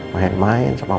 main main sama bapak